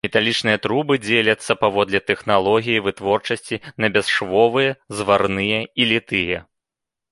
Металічныя трубы дзеляцца паводле тэхналогіі вытворчасці на бясшвовыя, зварныя і літыя.